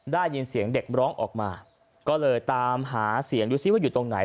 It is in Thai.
ได้ยินเสียงเด็กร้องออกมาก็เลยตามหาเสียงดูซิว่าอยู่ตรงไหน